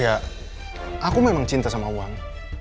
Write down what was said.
ya aku memang cinta sama uang